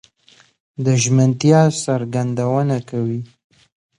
د ژمنتيا څرګندونه کوي؛